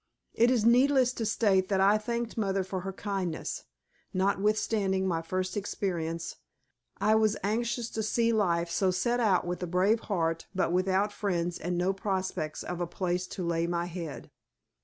It is needless to state that I thanked mother for her kindness. Notwithstanding my first experience, I was anxious to see life so set out with a brave heart, but without friends and no prospects of a place to lay my head.